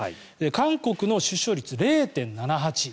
韓国の出生率、０．７８。